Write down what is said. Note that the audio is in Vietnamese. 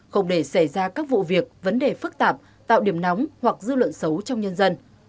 không để xảy ra các vụ việc vấn đề phức tạp tạo điểm nóng hoặc dư luận xấu trong nhân dân